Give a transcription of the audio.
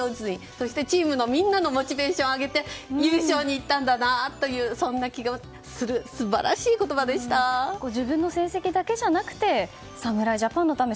そしてチームのみんなのモチベーションを上げて優勝したんだなとそんな気がする自分の成績だけじゃなくて侍ジャパンのため